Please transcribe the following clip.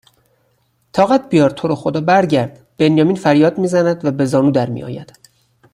طاقت بیار تورو خدا برگرد بنیامین فریاد میزند و به زانو درمیآید